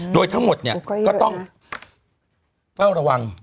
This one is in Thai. โดยทั้งหมดเนี่ยก็ต้องเฝ้าระวัง